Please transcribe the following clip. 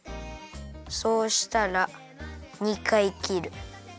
そうしたら２かいきる。